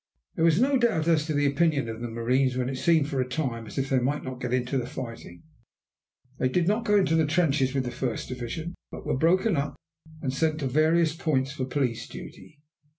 There was no doubt as to the opinion of the marines when it seemed for a time as if they might not get into the fighting. They did not go into the trenches with the first division, but were broken up and sent to various points for police duty.